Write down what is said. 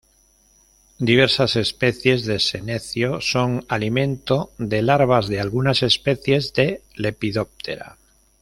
Diversas especies de "Senecio" son alimento de larvas de algunas especies de Lepidoptera.